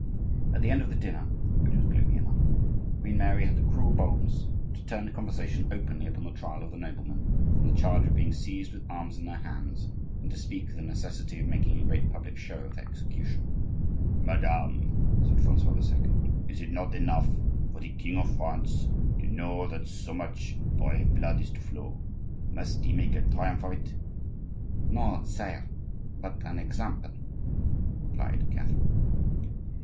At the end of the dinner, which was gloomy enough, Queen Mary had the cruel boldness to turn the conversation openly upon the trial of the noblemen on the charge of being seized with arms in their hands, and to speak of the necessity of making a great public show of their execution. "Madame," said Francois II., "is it not enough for the king of France to know that so much brave blood is to flow? Must he make a triumph of it?" "No, sire; but an example," replied Catherine.